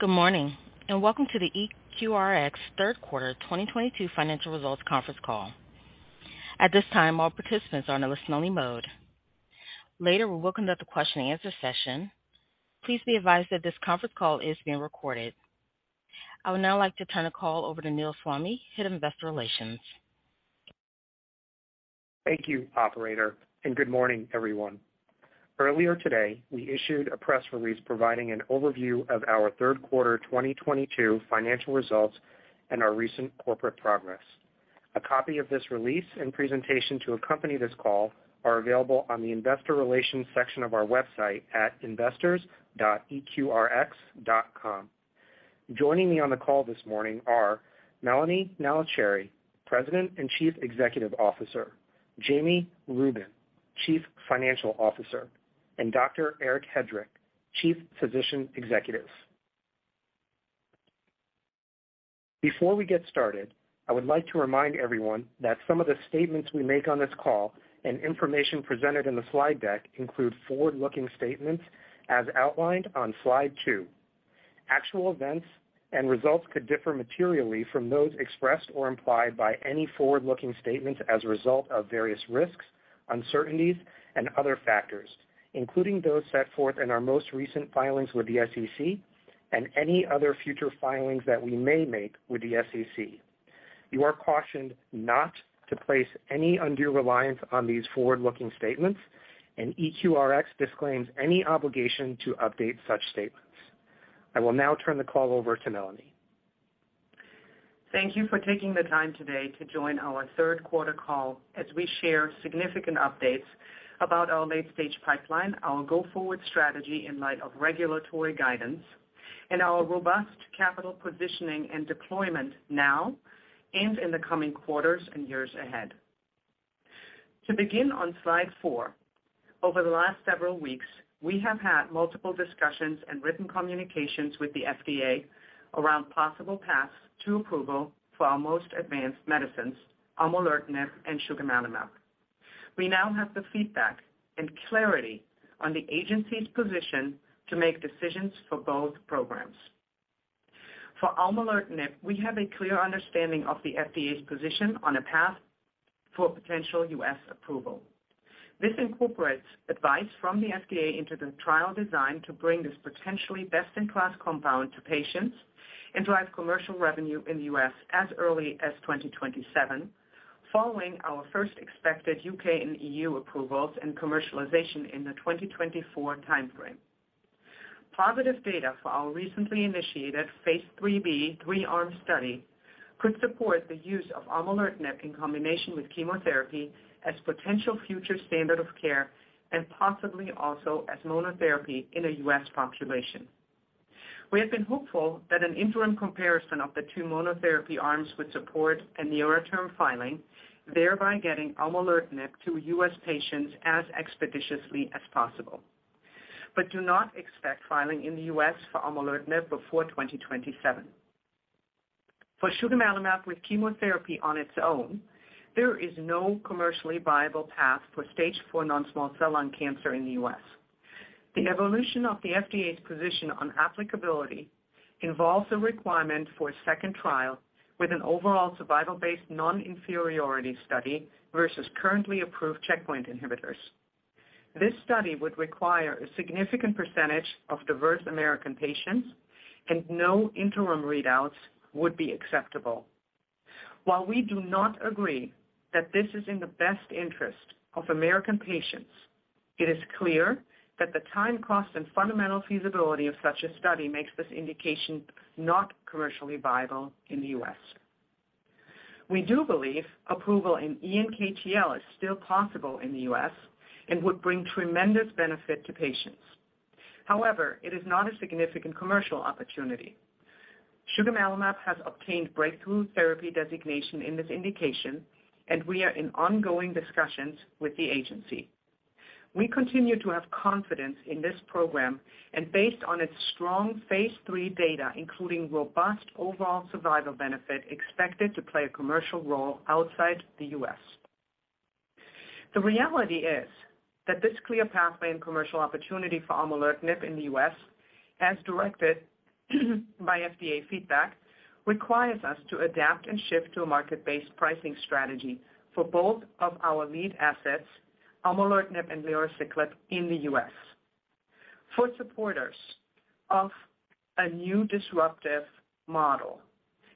Good morning, and welcome to the EQRx third quarter 2022 financial results conference call. At this time, all participants are in a listen only mode. Later, we'll open up the question and answer session. Please be advised that this conference call is being recorded. I would now like to turn the call over to Neil Swami, Head of Investor Relations. Thank you, operator, and good morning, everyone. Earlier today, we issued a press release providing an overview of our third quarter 2022 financial results and our recent corporate progress. A copy of this release and presentation to accompany this call are available on the Investor Relations section of our website at investors.eqrx.com. Joining me on the call this morning are Melanie Nallicheri, President and Chief Executive Officer, Jami Rubin, Chief Financial Officer, and Dr. Eric Hedrick, Chief Physician Executive. Before we get started, I would like to remind everyone that some of the statements we make on this call and information presented in the slide deck include forward-looking statements as outlined on slide two. Actual events and results could differ materially from those expressed or implied by any forward-looking statements as a result of various risks, uncertainties, and other factors, including those set forth in our most recent filings with the SEC and any other future filings that we may make with the SEC. You are cautioned not to place any undue reliance on these forward-looking statements, and EQRx disclaims any obligation to update such statements. I will now turn the call over to Melanie. Thank you for taking the time today to join our third quarter call as we share significant updates about our late-stage pipeline, our go-forward strategy in light of regulatory guidance, and our robust capital positioning and deployment now and in the coming quarters and years ahead. To begin on slide four. Over the last several weeks, we have had multiple discussions and written communications with the FDA around possible paths to approval for our most advanced medicines, aumolertinib and sugemalimab. We now have the feedback and clarity on the agency's position to make decisions for both programs. For aumolertinib, we have a clear understanding of the FDA's position on a path for potential U.S. approval. This incorporates advice from the FDA into the trial design to bring this potentially best-in-class compound to patients and drive commercial revenue in the U.S. as early as 2027, following our first expected U.K. and EU approvals and commercialization in the 2024 timeframe. Positive data for our recently initiated phase III-b three-arm study could support the use of aumolertinib in combination with chemotherapy as potential future standard of care and possibly also as monotherapy in a U.S. population. We have been hopeful that an interim comparison of the two monotherapy arms would support a nearer-term filing, thereby getting aumolertinib to U.S. patients as expeditiously as possible. Do not expect filing in the U.S. for aumolertinib before 2027. For sugemalimab with chemotherapy on its own, there is no commercially viable path for stage 4 non-small cell lung cancer in the U.S. The evolution of the FDA's position on applicability involves a requirement for a second trial with an overall survival-based non-inferiority study versus currently approved checkpoint inhibitors. This study would require a significant percentage of diverse American patients, and no interim readouts would be acceptable. While we do not agree that this is in the best interest of American patients, it is clear that the time, cost, and fundamental feasibility of such a study makes this indication not commercially viable in the U.S. We do believe approval in ENKTL is still possible in the U.S. and would bring tremendous benefit to patients. However, it is not a significant commercial opportunity. Sugemalimab has obtained Breakthrough Therapy designation in this indication, and we are in ongoing discussions with the agency. We continue to have confidence in this program and based on its strong phase III data, including robust overall survival benefit, expect it to play a commercial role outside the U.S. The reality is that this clear pathway and commercial opportunity for aumolertinib in the U.S., as directed by FDA feedback, requires us to adapt and shift to a market-based pricing strategy for both of our lead assets, aumolertinib and lerociclib, in the U.S. For supporters of a new disruptive model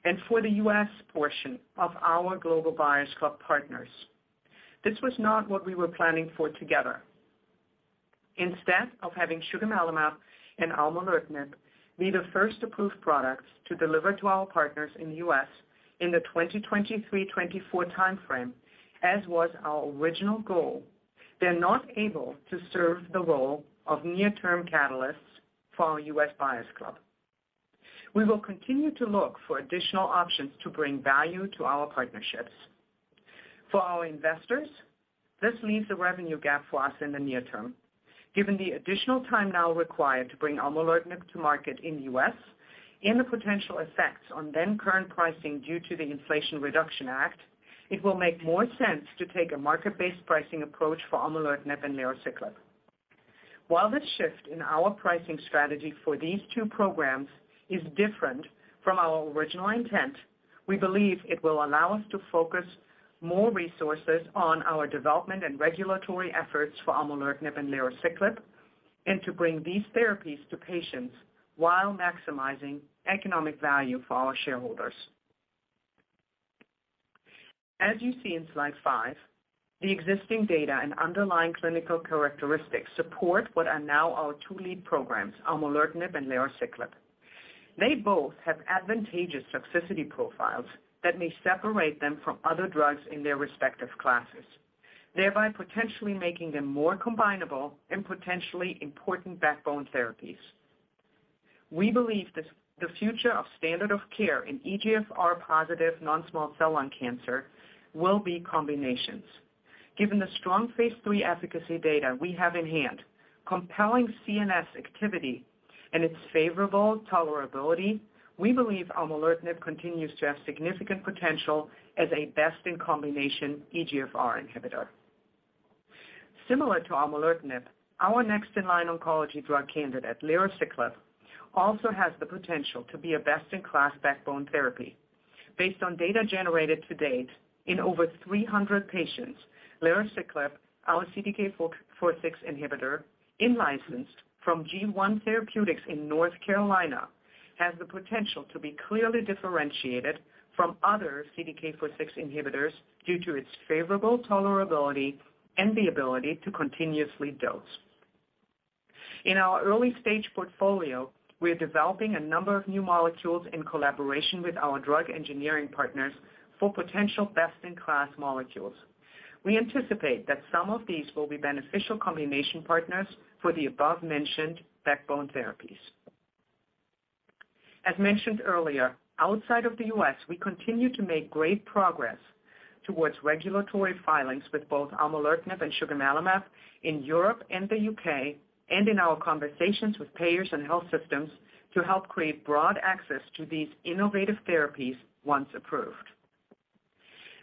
and for the U.S. portion of our Global Buyers Club partners, this was not what we were planning for together. Instead of having sugemalimab and aumolertinib be the first approved products to deliver to our partners in the U.S. in the 2023-2024 timeframe, as was our original goal, they're not able to serve the role of near-term catalysts for our U.S. Buyers Club. We will continue to look for additional options to bring value to our partnerships. For our investors, this leaves a revenue gap for us in the near term. Given the additional time now required to bring aumolertinib to market in the U.S. and the potential effects on then-current pricing due to the Inflation Reduction Act, it will make more sense to take a market-based pricing approach for aumolertinib and lerociclib. While the shift in our pricing strategy for these two programs is different from our original intent, we believe it will allow us to focus more resources on our development and regulatory efforts for aumolertinib and lerociclib, and to bring these therapies to patients while maximizing economic value for our shareholders. As you see in slide five, the existing data and underlying clinical characteristics support what are now our two lead programs, aumolertinib and lerociclib. They both have advantageous toxicity profiles that may separate them from other drugs in their respective classes, thereby potentially making them more combinable and potentially important backbone therapies. We believe the future of standard of care in EGFR-positive non-small cell lung cancer will be combinations. Given the strong phase III efficacy data we have in hand, compelling CNS activity, and its favorable tolerability, we believe aumolertinib continues to have significant potential as a best-in-combination EGFR inhibitor. Similar to aumolertinib, our next in line oncology drug candidate, lerociclib, also has the potential to be a best-in-class backbone therapy. Based on data generated to date in over 300 patients, lerociclib, our CDK4/6 inhibitor, in-licensed from G1 Therapeutics in North Carolina, has the potential to be clearly differentiated from other CDK4/6 inhibitors due to its favorable tolerability and the ability to continuously dose. In our early stage portfolio, we are developing a number of new molecules in collaboration with our drug engineering partners for potential best-in-class molecules. We anticipate that some of these will be beneficial combination partners for the above-mentioned backbone therapies. As mentioned earlier, outside of the U.S., we continue to make great progress towards regulatory filings with both aumolertinib and sugemalimab in Europe and the U.K., and in our conversations with payers and health systems to help create broad access to these innovative therapies once approved.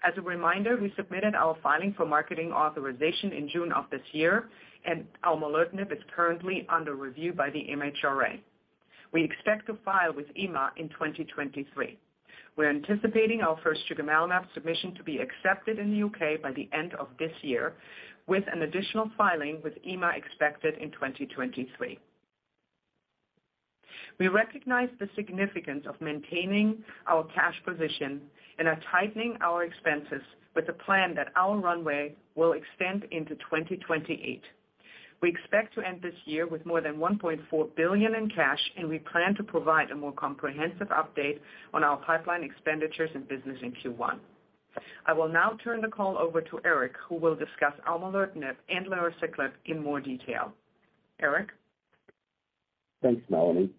As a reminder, we submitted our filing for marketing authorization in June of this year, and aumolertinib is currently under review by the MHRA. We expect to file with EMA in 2023. We're anticipating our first sugemalimab submission to be accepted in the U.K. by the end of this year, with an additional filing with EMA expected in 2023. We recognize the significance of maintaining our cash position and are tightening our expenses with a plan that our runway will extend into 2028. We expect to end this year with more than $1.4 billion in cash, and we plan to provide a more comprehensive update on our pipeline expenditures and business in Q1. I will now turn the call over to Eric, who will discuss aumolertinib and lerociclib in more detail. Eric? Thanks, Melanie.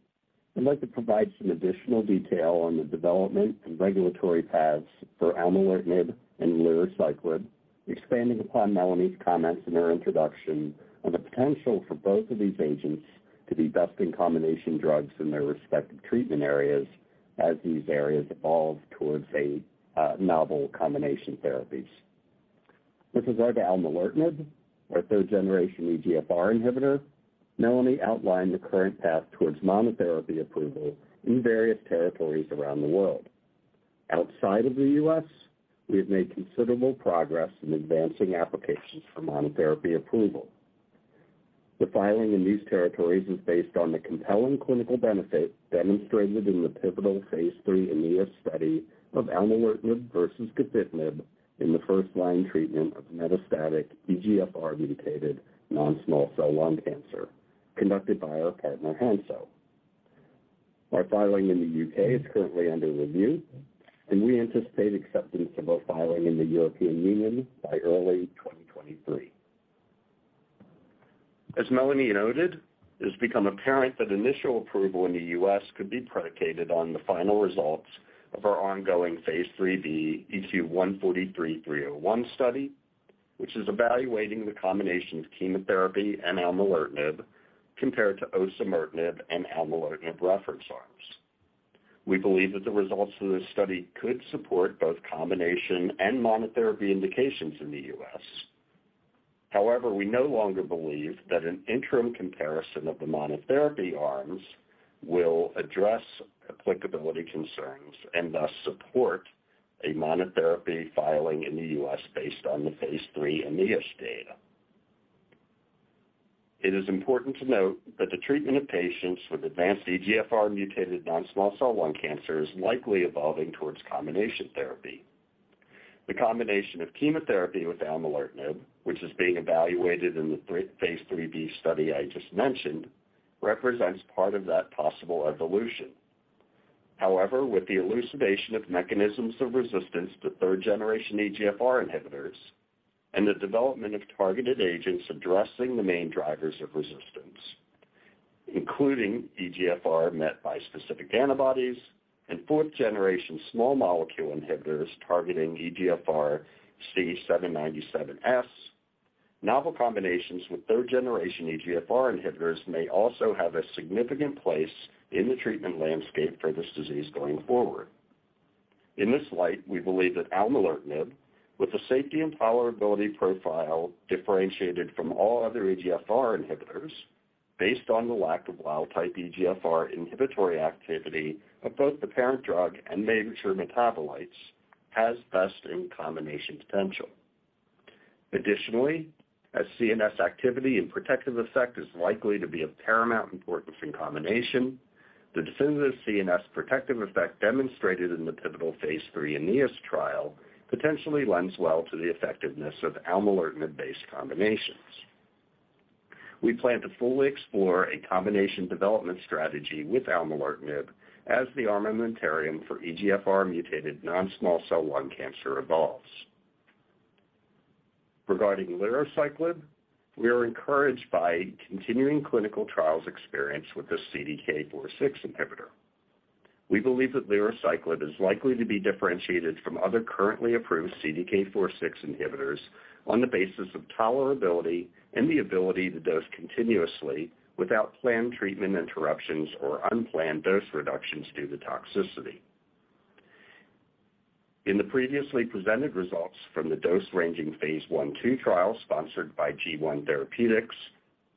I'd like to provide some additional detail on the development and regulatory paths for aumolertinib and lerociclib, expanding upon Melanie's comments in her introduction on the potential for both of these agents to be best-in-combination drugs in their respective treatment areas as these areas evolve towards a novel combination therapies. With regard to aumolertinib, our third generation EGFR inhibitor, Melanie outlined the current path towards monotherapy approval in various territories around the world. Outside of the U.S., we have made considerable progress in advancing applications for monotherapy approval. The filing in these territories is based on the compelling clinical benefit demonstrated in the pivotal phase III AENEAS study of aumolertinib versus gefitinib in the first-line treatment of metastatic EGFR-mutated non-small cell lung cancer conducted by our partner Hansoh. Our filing in the U.K. is currently under review, and we anticipate acceptance of our filing in the European Union by early 2023. As Melanie noted, it has become apparent that initial approval in the U.S. could be predicated on the final results of our ongoing phase III-b ECU 143301 study, which is evaluating the combination of chemotherapy and aumolertinib compared to osimertinib and aumolertinib reference arms. We believe that the results of this study could support both combination and monotherapy indications in the U.S. However, we no longer believe that an interim comparison of the monotherapy arms will address applicability concerns and thus support a monotherapy filing in the U.S. based on the phase III AENEAS data. It is important to note that the treatment of patients with advanced EGFR mutated non-small cell lung cancer is likely evolving towards combination therapy. The combination of chemotherapy with aumolertinib, which is being evaluated in the AENEAS phase III-b study I just mentioned, represents part of that possible evolution. However, with the elucidation of mechanisms of resistance to third generation EGFR inhibitors and the development of targeted agents addressing the main drivers of resistance, including EGFR-MET bispecific antibodies and fourth generation small molecule inhibitors targeting EGFR C797S, novel combinations with third generation EGFR inhibitors may also have a significant place in the treatment landscape for this disease going forward. In this light, we believe that aumolertinib, with the safety and tolerability profile differentiated from all other EGFR inhibitors based on the lack of wild-type EGFR inhibitory activity of both the parent drug and mature metabolites, has best in combination potential. Additionally, as CNS activity and protective effect is likely to be of paramount importance in combination, the definitive CNS protective effect demonstrated in the pivotal phase III AENEAS trial potentially lends well to the effectiveness of aumolertinib-based combinations. We plan to fully explore a combination development strategy with aumolertinib as the armamentarium for EGFR mutated non-small cell lung cancer evolves. Regarding lerociclib, we are encouraged by continuing clinical trials experience with the CDK4/6 inhibitor. We believe that lerociclib is likely to be differentiated from other currently approved CDK4/6 inhibitors on the basis of tolerability and the ability to dose continuously without planned treatment interruptions or unplanned dose reductions due to toxicity. In the previously presented results from the dose-ranging phase I/II trial sponsored by G1 Therapeutics,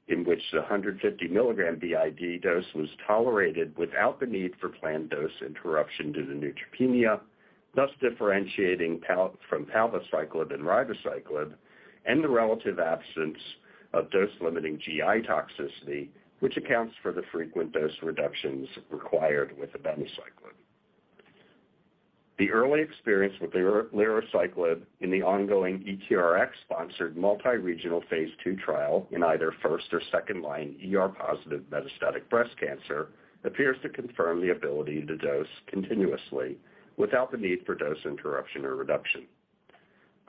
in which the 150 milligram BID dose was tolerated without the need for planned dose interruption due to neutropenia, thus differentiating from palbociclib and ribociclib, and the relative absence of dose-limiting GI toxicity, which accounts for the frequent dose reductions required with abemaciclib. The early experience with lerociclib in the ongoing EQRx-sponsored multi-regional phase II trial in either first or second line ER-positive metastatic breast cancer appears to confirm the ability to dose continuously without the need for dose interruption or reduction.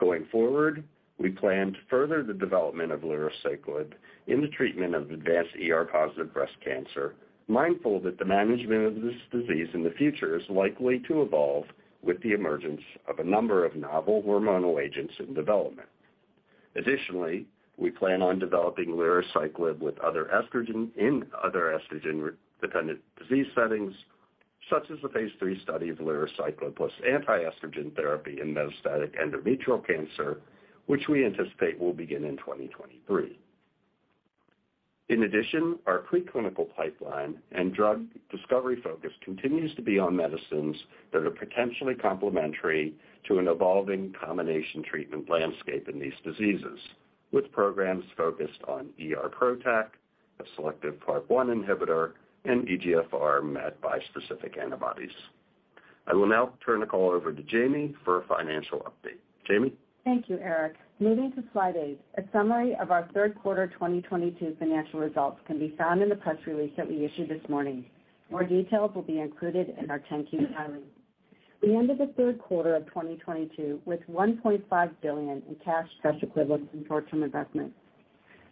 Going forward, we plan to further the development of lerociclib in the treatment of advanced ER-positive breast cancer, mindful that the management of this disease in the future is likely to evolve with the emergence of a number of novel hormonal agents in development. Additionally, we plan on developing lerociclib in other estrogen-dependent disease settings, such as the phase III study of lerociclib plus anti-estrogen therapy in metastatic endometrial cancer, which we anticipate will begin in 2023. In addition, our preclinical pipeline and drug discovery focus continues to be on medicines that are potentially complementary to an evolving combination treatment landscape in these diseases, with programs focused on ER PROTAC, a selective PARP-1 inhibitor, and EGFR-MET bispecific antibodies. I will now turn the call over to Jami for a financial update. Jami. Thank you, Eric. Moving to slide eight. A summary of our third quarter 2022 financial results can be found in the press release that we issued this morning. More details will be included in our 10-Q filing. We ended the third quarter of 2022 with $1.5 billion in cash equivalents and short-term investments.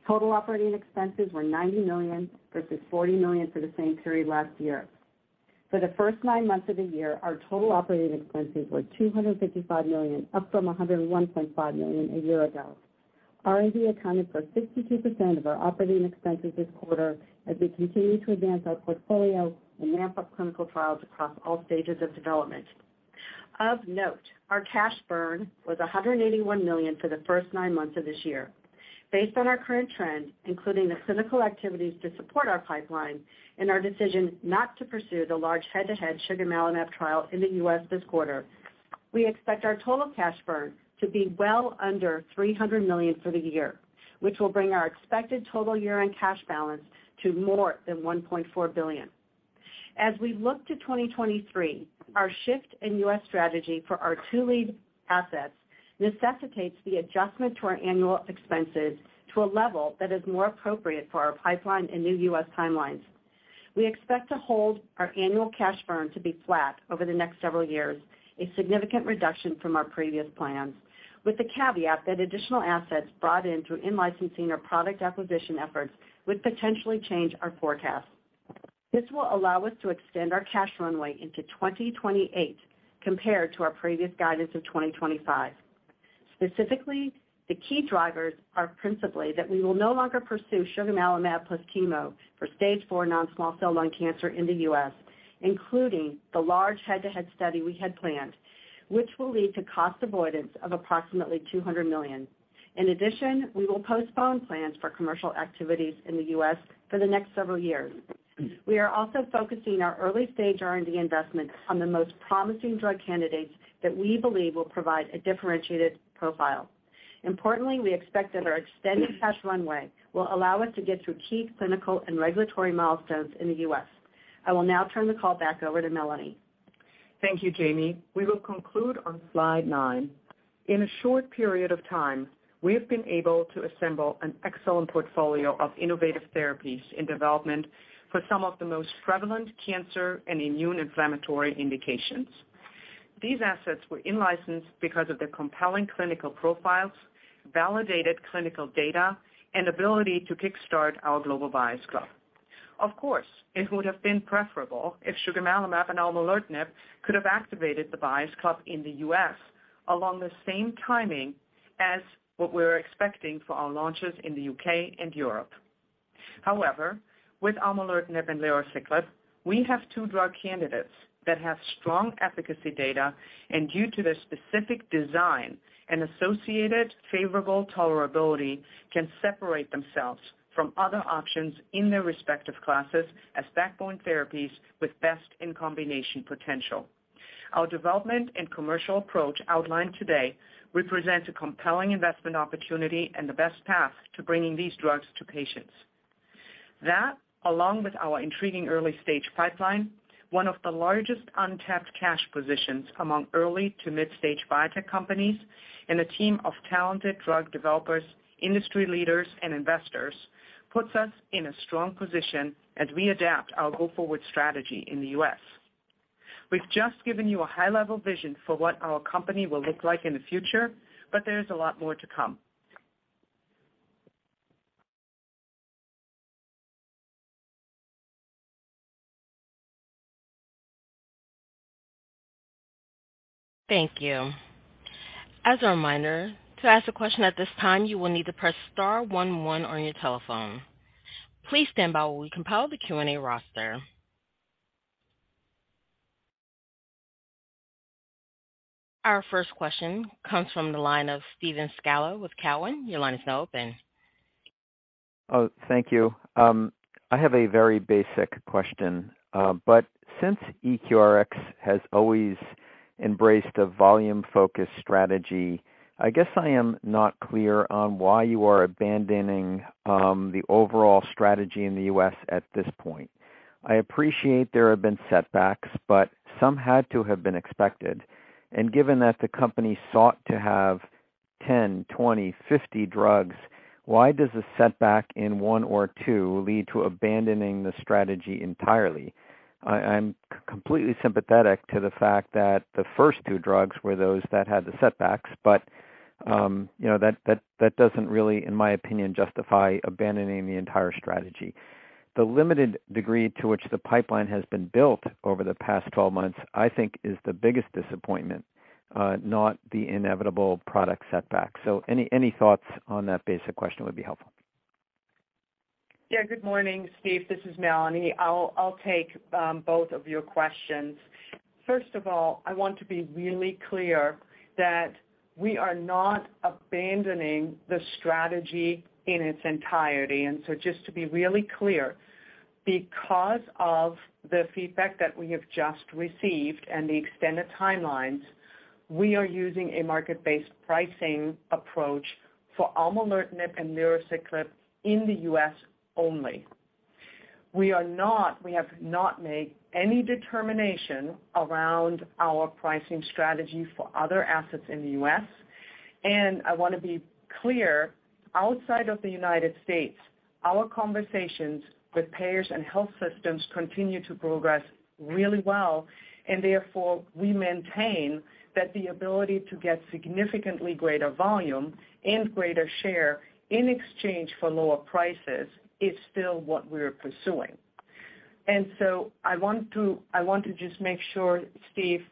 Total operating expenses were $90 million versus $40 million for the same period last year. For the first nine months of the year, our total operating expenses were $255 million, up from $101.5 million a year ago. R&D accounted for 62% of our operating expenses this quarter as we continue to advance our portfolio and ramp up clinical trials across all stages of development. Of note, our cash burn was $181 million for the first nine months of this year. Based on our current trend, including the clinical activities to support our pipeline and our decision not to pursue the large head-to-head sugemalimab trial in the U.S. this quarter, we expect our total cash burn to be well under $300 million for the year, which will bring our expected total year-end cash balance to more than $1.4 billion. As we look to 2023, our shift in U.S. strategy for our two lead assets necessitates the adjustment to our annual expenses to a level that is more appropriate for our pipeline and new U.S. timelines. We expect to hold our annual cash burn to be flat over the next several years, a significant reduction from our previous plans, with the caveat that additional assets brought in through in-licensing or product acquisition efforts would potentially change our forecast. This will allow us to extend our cash runway into 2028 compared to our previous guidance of 2025. Specifically, the key drivers are principally that we will no longer pursue sugemalimab plus chemo for stage 4 non-small cell lung cancer in the U.S., including the large head-to-head study we had planned, which will lead to cost avoidance of approximately $200 million. In addition, we will postpone plans for commercial activities in the U.S. for the next several years. We are also focusing our early-stage R&D investments on the most promising drug candidates that we believe will provide a differentiated profile. Importantly, we expect that our extended cash runway will allow us to get through key clinical and regulatory milestones in the U.S. I will now turn the call back over to Melanie. Thank you, Jami. We will conclude on slide nine. In a short period of time, we have been able to assemble an excellent portfolio of innovative therapies in development for some of the most prevalent cancer and immune inflammatory indications. These assets were in-licensed because of their compelling clinical profiles, validated clinical data, and ability to kickstart our Global Buyers Club. Of course, it would have been preferable if sugemalimab and aumolertinib could have activated the Buyers Club in the U.S. along the same timing as what we were expecting for our launches in the U.K. and Europe. However, with aumolertinib and lerociclib, we have two drug candidates that have strong efficacy data and due to their specific design and associated favorable tolerability, can separate themselves from other options in their respective classes as backbone therapies with best in combination potential. Our development and commercial approach outlined today represents a compelling investment opportunity and the best path to bringing these drugs to patients. That, along with our intriguing early stage pipeline, one of the largest untapped cash positions among early to mid-stage biotech companies, and a team of talented drug developers, industry leaders, and investors, puts us in a strong position as we adapt our go-forward strategy in the U.S. We've just given you a high-level vision for what our company will look like in the future, but there's a lot more to come. Thank you. As a reminder, to ask a question at this time, you will need to press star one one on your telephone. Please stand by while we compile the Q&A roster. Our first question comes from the line of Steven Scala with Cowen. Your line is now open. Oh, thank you. I have a very basic question. Since EQRx has always embraced a volume-focused strategy, I guess I am not clear on why you are abandoning the overall strategy in the US at this point. I appreciate there have been setbacks, but some had to have been expected. Given that the company sought to have 10, 20, 50 drugs, why does a setback in one or two lead to abandoning the strategy entirely? I'm completely sympathetic to the fact that the first two drugs were those that had the setbacks, but you know, that doesn't really, in my opinion, justify abandoning the entire strategy. The limited degree to which the pipeline has been built over the past 12 months, I think is the biggest disappointment, not the inevitable product setback. Any thoughts on that basic question would be helpful. Yeah, good morning, Steve. This is Melanie. I'll take both of your questions. First of all, I want to be really clear that we are not abandoning the strategy in its entirety. Just to be really clear, because of the feedback that we have just received and the extended timelines, we are using a market-based pricing approach for aumolertinib and lerociclib in the U.S. only. We have not made any determination around our pricing strategy for other assets in the U.S. I wanna be clear, outside of the United States, our conversations with payers and health systems continue to progress really well, and therefore, we maintain that the ability to get significantly greater volume and greater share in exchange for lower prices is still what we're pursuing. I want to just make sure, Steve,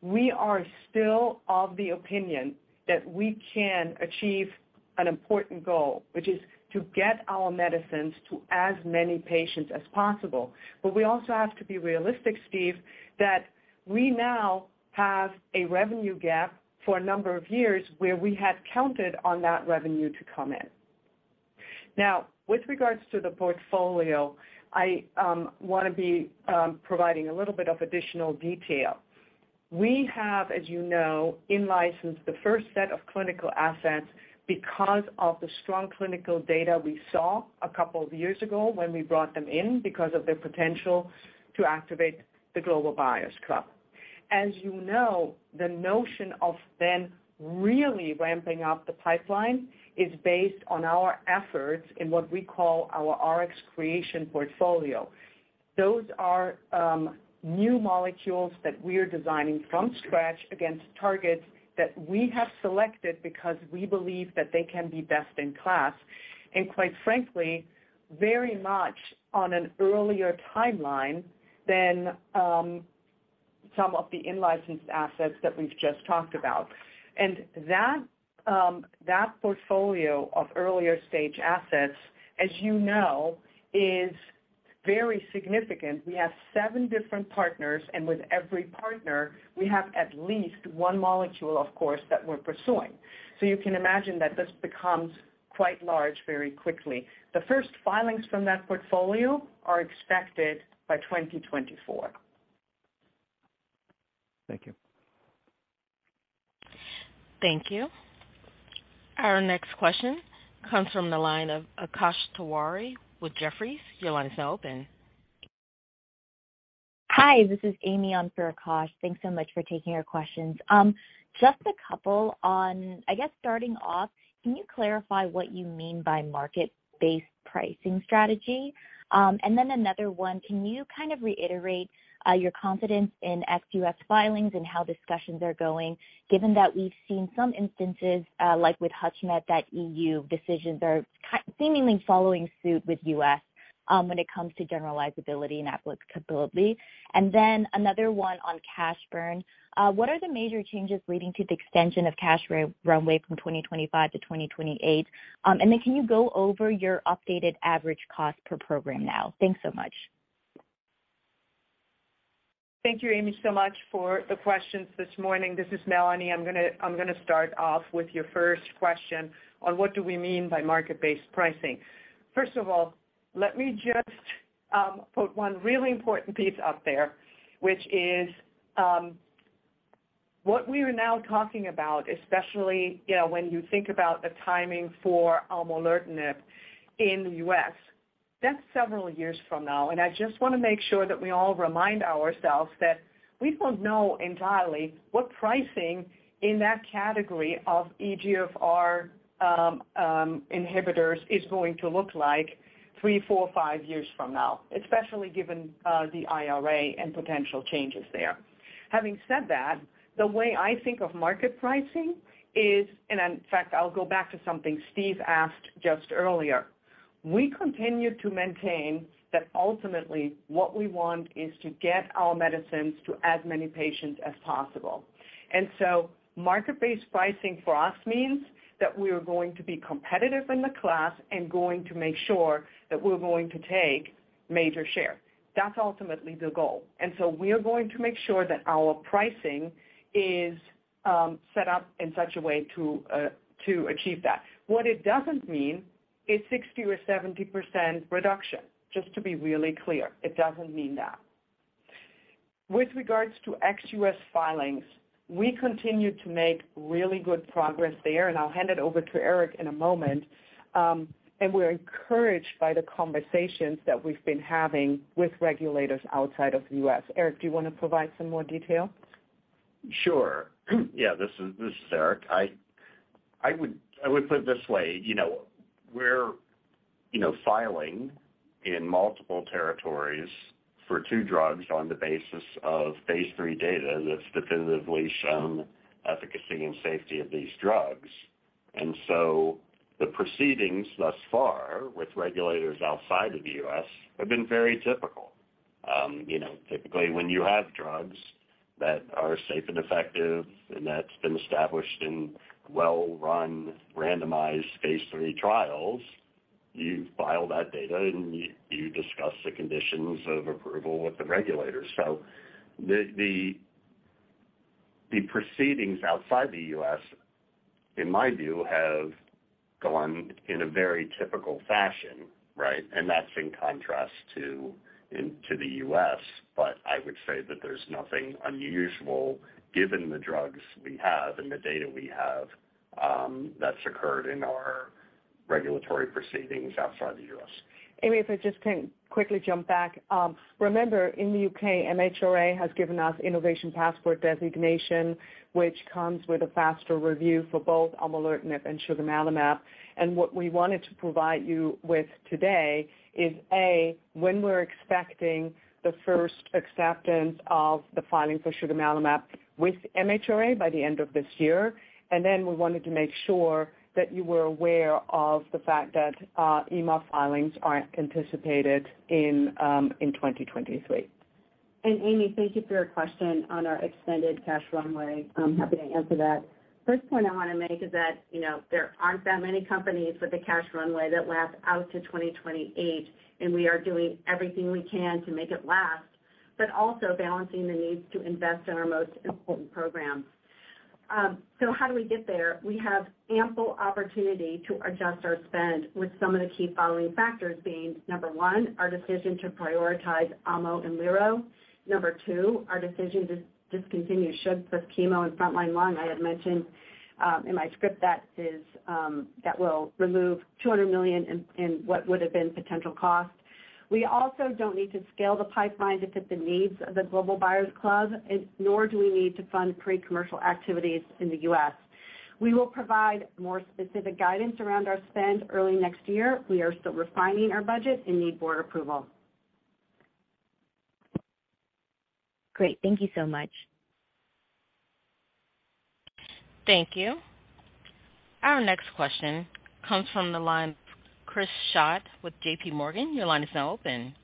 we are still of the opinion that we can achieve an important goal, which is to get our medicines to as many patients as possible. We also have to be realistic, Steve, that we now have a revenue gap for a number of years where we had counted on that revenue to come in. Now, with regards to the portfolio, I wanna be providing a little bit of additional detail. We have, as you know, in-licensed the first set of clinical assets because of the strong clinical data we saw a couple of years ago when we brought them in because of their potential to activate the Global Buyers Club. As you know, the notion of then really ramping up the pipeline is based on our efforts in what we call our Rx creation portfolio. Those are new molecules that we are designing from scratch against targets that we have selected because we believe that they can be best in class, and quite frankly, very much on an earlier timeline than some of the in-licensed assets that we've just talked about. That portfolio of earlier stage assets, as you know, is very significant. We have seven different partners, and with every partner, we have at least one molecule, of course, that we're pursuing. You can imagine that this becomes quite large very quickly. The first filings from that portfolio are expected by 2024. Thank you. Thank you. Our next question comes from the line of Akash Tewari with Jefferies. Your line is now open. Hi, this is Amy on for Akash. Thanks so much for taking our questions. Just a couple on, I guess, starting off, can you clarify what you mean by market-based pricing strategy? Another one, can you kind of reiterate your confidence in ex-U.S. filings and how discussions are going given that we've seen some instances, like with HUTCHMED, that EU decisions are seemingly following suit with U.S., when it comes to generalizability and applicability? Another one on cash burn. What are the major changes leading to the extension of cash runway from 2025 to 2028? Can you go over your updated average cost per program now? Thanks so much. Thank you, Amy, so much for the questions this morning. This is Melanie. I'm gonna start off with your first question on what do we mean by market-based pricing. First of all, let me just put one really important piece out there, which is what we are now talking about, especially, you know, when you think about the timing for aumolertinib in the U.S., that's several years from now. I just wanna make sure that we all remind ourselves that we don't know entirely what pricing in that category of EGFR inhibitors is going to look like three, four, five years from now, especially given the IRA and potential changes there. Having said that, the way I think of market pricing is, and in fact, I'll go back to something Steve asked just earlier, we continue to maintain that ultimately what we want is to get our medicines to as many patients as possible. Market-based pricing for us means that we are going to be competitive in the class and going to make sure that we're going to take major share. That's ultimately the goal. We are going to make sure that our pricing is set up in such a way to achieve that. What it doesn't mean is 60% or 70% reduction, just to be really clear. It doesn't mean that. With regards to ex-U.S. filings, we continue to make really good progress there, and I'll hand it over to Eric in a moment. We're encouraged by the conversations that we've been having with regulators outside of the US. Eric, do you wanna provide some more detail? Sure. Yeah, this is Eric. I would put it this way. You know, we're, you know, filing in multiple territories for two drugs on the basis of phase III data that's definitively shown efficacy and safety of these drugs. The proceedings thus far with regulators outside of the U.S. have been very typical. You know, typically, when you have drugs that are safe and effective, and that's been established in well-run randomized phase III trials, you file that data, and you discuss the conditions of approval with the regulators. The proceedings outside the U.S., in my view, have gone in a very typical fashion, right? That's in contrast to the U.S. I would say that there's nothing unusual given the drugs we have and the data we have, that's occurred in our regulatory proceedings outside the U.S. Amy, if I just can quickly jump back. Remember in the U.K., MHRA has given us Innovation Passport designation, which comes with a faster review for both aumolertinib and sugemalimab. What we wanted to provide you with today is, A, when we're expecting the first acceptance of the filing for sugemalimab with MHRA by the end of this year. Then we wanted to make sure that you were aware of the fact that EMA filings are anticipated in 2023. Amy, thank you for your question on our extended cash runway. I'm happy to answer that. First point I wanna make is that, you know, there aren't that many companies with a cash runway that lasts out to 2028, and we are doing everything we can to make it last, but also balancing the needs to invest in our most important programs. How do we get there? We have ample opportunity to adjust our spend with some of the key following factors being, number one, our decision to prioritize amo and liro. Number two, our decision to discontinue sug plus chemo in frontline lung. I had mentioned in my script that will remove $200 million in what would have been potential cost. We also don't need to scale the pipeline to fit the needs of the Global Buyers Club, nor do we need to fund pre-commercial activities in the U.S. We will provide more specific guidance around our spend early next year. We are still refining our budget and need board approval. Great. Thank you so much. Thank you. Our next question comes from the line of Chris Schott with JPMorgan. Your line is now open.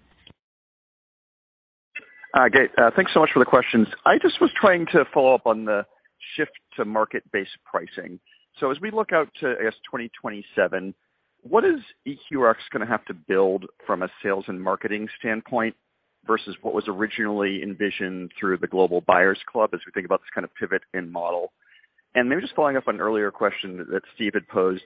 Great. Thanks so much for the questions. I just was trying to follow up on the shift to market-based pricing. As we look out to, I guess, 2027, what is EQRx gonna have to build from a sales and marketing standpoint versus what was originally envisioned through the Global Buyers Club as we think about this kind of pivot in model? Maybe just following up on an earlier question that Steve had posed.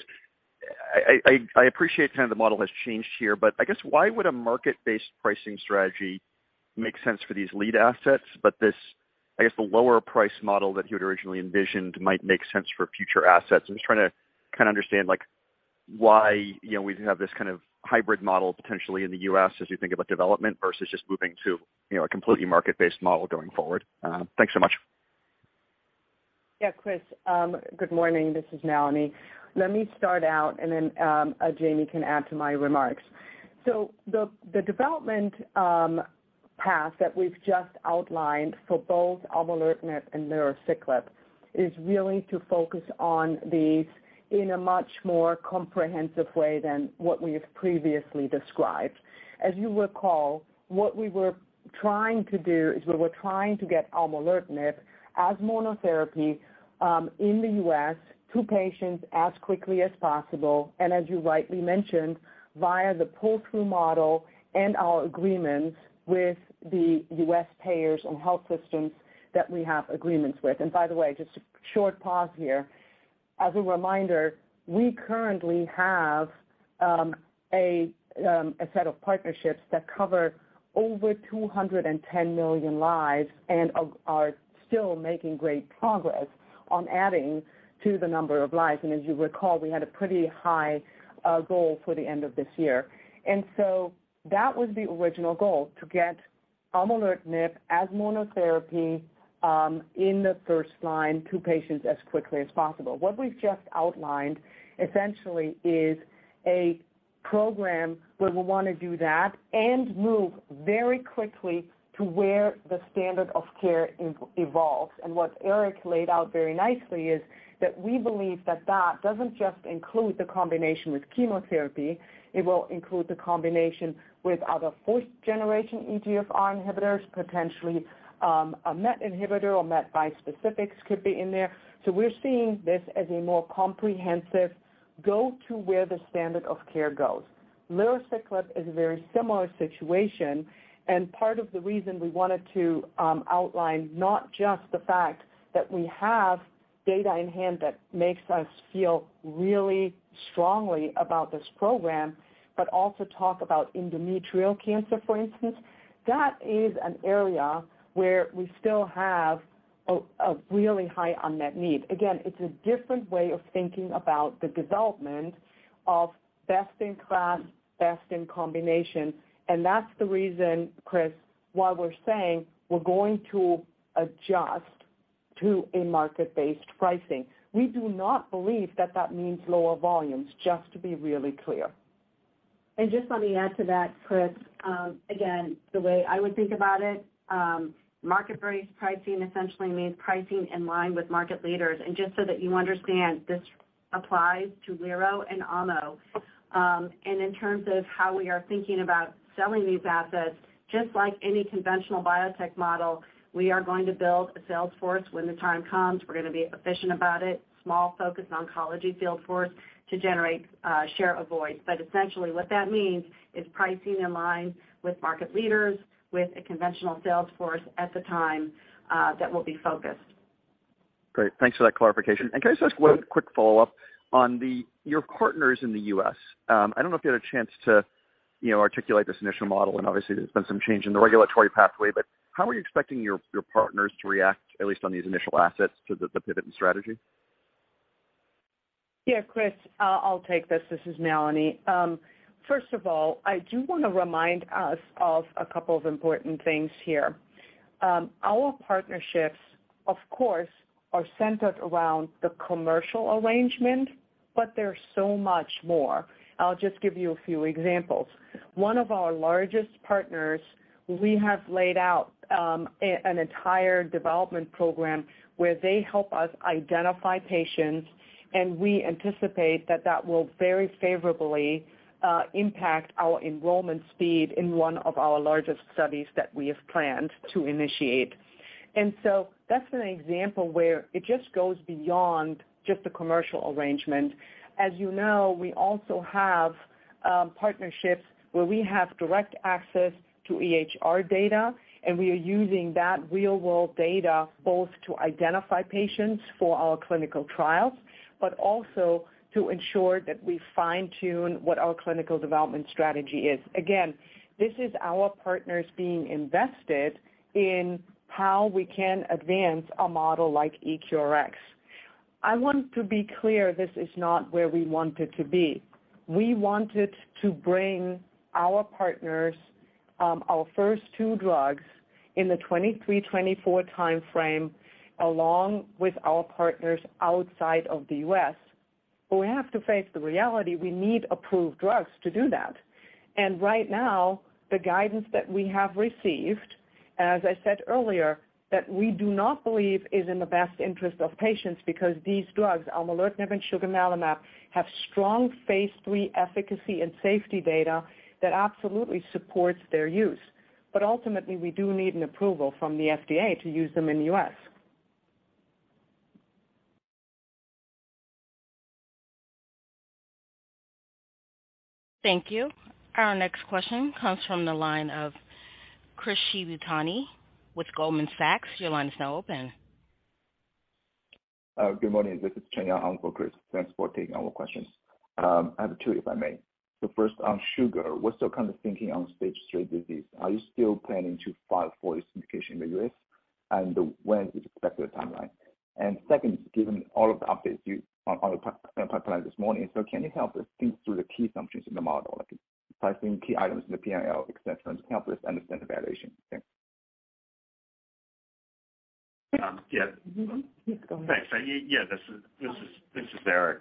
I appreciate kind of the model has changed here, but I guess why would a market-based pricing strategy make sense for these lead assets, but this, I guess, the lower price model that you had originally envisioned might make sense for future assets? I'm just trying to kinda understand, like, why, you know, we have this kind of hybrid model potentially in the U.S. as we think about development versus just moving to, you know, a completely market-based model going forward. Thanks so much. Yeah, Chris. Good morning. This is Melanie. Let me start out and then Jami can add to my remarks. The development path that we've just outlined for both aumolertinib and lerociclib is really to focus on these in a much more comprehensive way than what we have previously described. As you recall, what we were trying to do is we were trying to get aumolertinib as monotherapy in the U.S. to patients as quickly as possible, and as you rightly mentioned, via the pull-through model and our agreements with the U.S. payers and health systems that we have agreements with. By the way, just a short pause here. As a reminder, we currently have a set of partnerships that cover over 210 million lives and are still making great progress on adding to the number of lives. As you recall, we had a pretty high goal for the end of this year. That was the original goal, to get aumolertinib as monotherapy in the first-line to patients as quickly as possible. What we've just outlined essentially is a program where we want to do that and move very quickly to where the standard of care evolves. What Eric laid out very nicely is that we believe that that doesn't just include the combination with chemotherapy, it will include the combination with other fourth generation EGFR inhibitors, potentially, a MET inhibitor or MET bispecifics could be in there. We're seeing this as a more comprehensive go to where the standard of care goes. Lerociclib is a very similar situation, and part of the reason we wanted to outline not just the fact that we have data in hand that makes us feel really strongly about this program, but also talk about endometrial cancer, for instance. That is an area where we still have a really high unmet need. Again, it's a different way of thinking about the development of best in class, best in combination. That's the reason, Chris, why we're saying we're going to adjust to a market-based pricing. We do not believe that means lower volumes, just to be really clear. Just let me add to that, Chris. Again, the way I would think about it, market-based pricing essentially means pricing in line with market leaders. Just so that you understand, this applies to lerociclib and aumolertinib. In terms of how we are thinking about selling these assets, just like any conventional biotech model, we are going to build a sales force when the time comes. We're going to be efficient about it, small, focused oncology field force to generate share of voice. Essentially what that means is pricing in line with market leaders with a conventional sales force at the time that will be focused. Great. Thanks for that clarification. Can I just ask one quick follow-up on your partners in the U.S.? I don't know if you had a chance to, you know, articulate this initial model, and obviously there's been some change in the regulatory pathway, but how are you expecting your partners to react, at least on these initial assets, to the pivot and strategy? Yeah, Chris, I'll take this. This is Melanie. First of all, I do want to remind us of a couple of important things here. Our partnerships, of course, are centered around the commercial arrangement, but they're so much more. I'll just give you a few examples. One of our largest partners, we have laid out an entire development program where they help us identify patients, and we anticipate that that will very favorably impact our enrollment speed in one of our largest studies that we have planned to initiate. That's an example where it just goes beyond just the commercial arrangement. As you know, we also have partnerships where we have direct access to EHR data, and we are using that real-world data both to identify patients for our clinical trials, but also to ensure that we fine-tune what our clinical development strategy is. Again, this is our partners being invested in how we can advance a model like EQRx. I want to be clear this is not where we wanted to be. We wanted to bring our partners our first two drugs in the 2023, 2024 timeframe, along with our partners outside of the U.S. We have to face the reality we need approved drugs to do that. Right now, the guidance that we have received, as I said earlier, that we do not believe is in the best interest of patients because these drugs, aumolertinib and sugemalimab, have strong phase III efficacy and safety data that absolutely supports their use. Ultimately, we do need an approval from the FDA to use them in the U.S. Thank you. Our next question comes from the line of Chris Shibutani with Goldman Sachs. Your line is now open. Good morning, this is Chengyan on for Chris. Thanks for taking all the questions. I have two, if I may. The first on suge, what's your kind of thinking on stage 3 disease? Are you still planning to file for this indication in the U.S., and what's the expected timeline? Second, given all of the updates on the pipeline this morning, can you help us think through the key assumptions in the model? Like pricing key items in the P&L, et cetera, and help us understand the valuation? Thanks. Yeah. Please go ahead. Thanks. Yeah, this is Eric.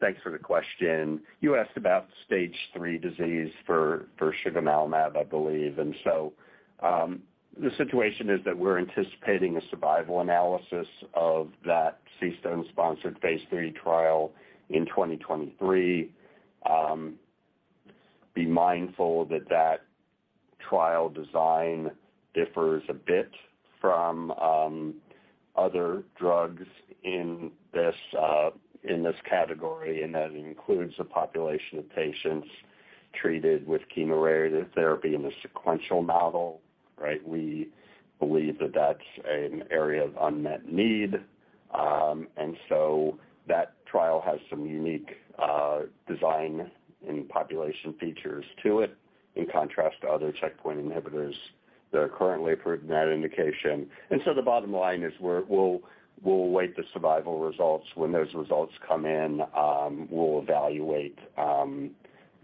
Thanks for the question. You asked about stage 3 disease for sugemalimab, I believe. The situation is that we're anticipating a survival analysis of that CStone-sponsored phase III trial in 2023. Be mindful that that trial design differs a bit from other drugs in this category, and that includes a population of patients treated with chemoradiation therapy in the sequential model, right? We believe that that's an area of unmet need. That trial has some unique design and population features to it in contrast to other checkpoint inhibitors that are currently approved in that indication. The bottom line is we'll await the survival results. When those results come in, we'll evaluate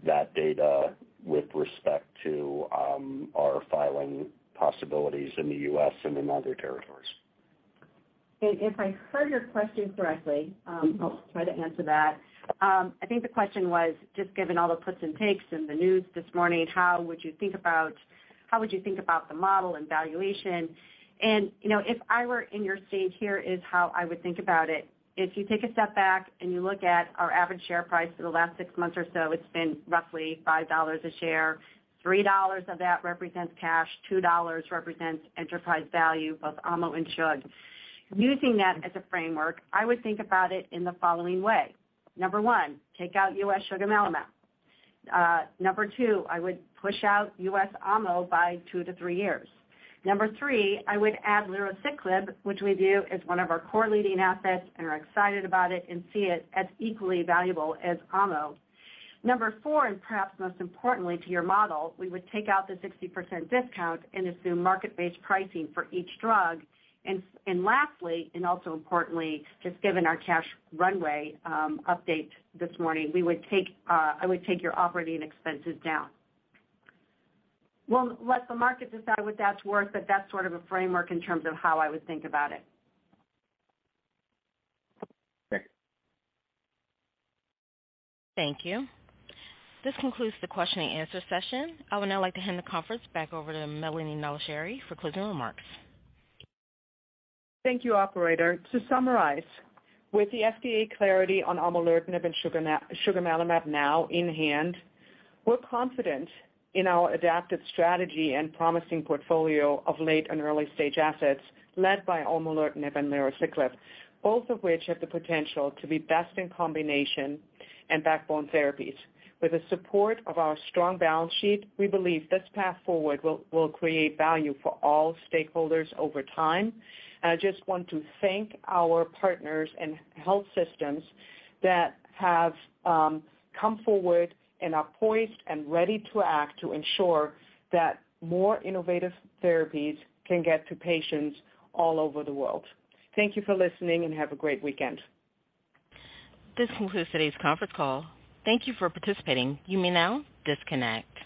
that data with respect to our filing possibilities in the U.S. and in other territories. If I heard your question correctly, I'll try to answer that. I think the question was just given all the puts and takes in the news this morning, how would you think about the model and valuation? You know, if I were in your seat, here is how I would think about it. If you take a step back and you look at our average share price for the last six months or so, it's been roughly $5 a share. $3 of that represents cash, $2 represents enterprise value, both aumolertinib and sugemalimab. Using that as a framework, I would think about it in the following way. Number one, take out U.S. sugemalimab. Number two, I would push out U.S. aumolertinib by 2-3 years. Number three, I would add lerociclib, which we view as one of our core leading assets and are excited about it and see it as equally valuable as aumolertinib. Number four, and perhaps most importantly to your model, we would take out the 60% discount and assume market-based pricing for each drug. Lastly, and also importantly, just given our cash runway update this morning, I would take your operating expenses down. We'll let the market decide what that's worth, but that's sort of a framework in terms of how I would think about it. Thanks. Thank you. This concludes the question and answer session. I would now like to hand the conference back over to Melanie Nallicheri for closing remarks. Thank you, operator. To summarize, with the FDA clarity on aumolertinib and sugemalimab now in hand, we're confident in our adaptive strategy and promising portfolio of late and early-stage assets led by aumolertinib and lerociclib, both of which have the potential to be best in combination and backbone therapies. With the support of our strong balance sheet, we believe this path forward will create value for all stakeholders over time. I just want to thank our partners and health systems that have come forward and are poised and ready to act to ensure that more innovative therapies can get to patients all over the world. Thank you for listening, and have a great weekend. This concludes today's conference call. Thank you for participating. You may now disconnect.